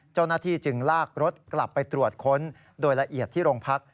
เจ้าหน้าที่จึงลากรถกลับไปตรวจค้นโดยละเอียดที่โรงพัก